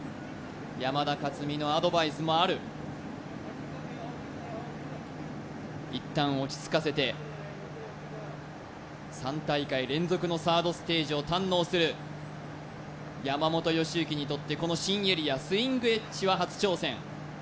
山田勝己のアドバイスもある一旦落ち着かせて３大会連続のサードステージを堪能する山本良幸にとってこの新エリアスイングエッジは初挑戦